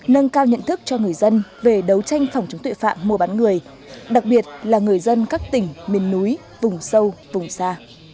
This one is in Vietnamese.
nâng cao nhận thức cho người dân về đấu tranh phòng chống tội phạm mua bán người đặc biệt là người dân các tỉnh miền núi vùng sâu vùng xa